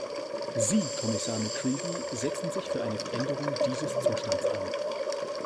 Sie, Kommissar McCreevy, setzen sich für eine Veränderung dieses Zustands ein.